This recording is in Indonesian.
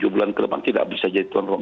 tujuh bulan ke depan tidak bisa jadi tuan rumah